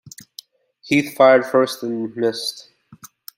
Heath fired first and missed.